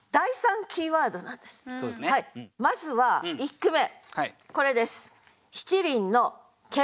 まずは１句目これです。